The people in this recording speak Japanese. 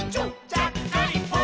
ちゃっかりポン！」